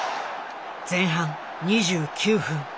前半２９分